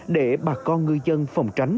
để bà con người dân phòng tránh